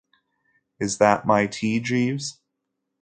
Is that my tea, Jeeves?